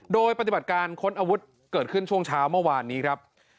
โดยปฏิบัติการค้นอาวุธเกิดขึ้นช่วงเช้าเมื่อวานนี้ครับ